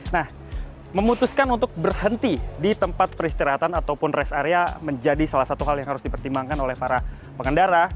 nah memutuskan untuk berhenti di tempat peristirahatan ataupun rest area menjadi salah satu hal yang harus dipertimbangkan oleh para pengendara